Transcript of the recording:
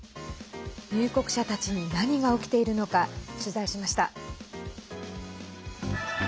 入国者たちに何が起きているのか取材しました。